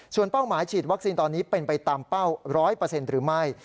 ส่วนเป้าหมายฉีดวัคซีนตอนนี้เป็นไปตามเป้า๑๐๐หรือไม่